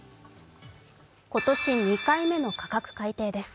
今年２回目の価格改定です。